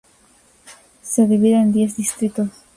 Se divide en diez distritos.